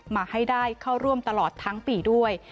มาให้ได้เข้าร่วมตลอดทั้งปีด้วย